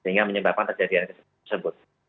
sehingga menyebabkan terjadinya tersebut